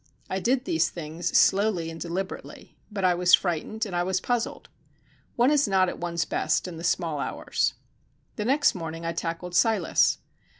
I did these things slowly and deliberately, but I was frightened and I was puzzled. One is not at one's best in the small hours. The next morning I tackled Silas.